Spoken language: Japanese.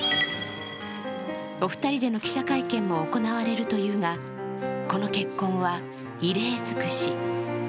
お二人での記者会見も行われるというがこの結婚は異例尽くし。